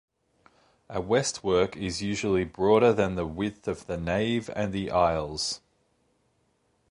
A westwork is usually broader than the width of the nave and aisles.